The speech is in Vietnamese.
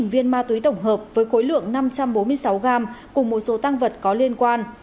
một mươi viên ma túy tổng hợp với khối lượng năm trăm bốn mươi sáu gram cùng một số tăng vật có liên quan